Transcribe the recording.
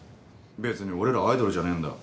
べつに俺らアイドルじゃねぇんだ